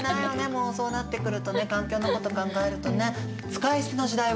もうそうなってくるとね環境のこと考えるとね。